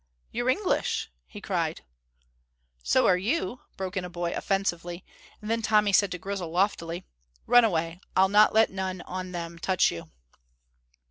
"You're English!" he cried. "So are you," broke in a boy offensively, and then Tommy said to Grizel loftily, "Run away; I'll not let none on them touch you."